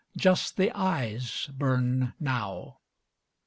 Just the eyes burn now.